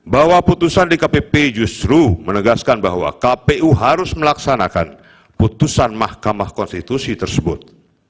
bahwa putusan dkpp justru menegaskan bahwa kpu harus melaksanakan putusan mahkamah konstitusi tersebut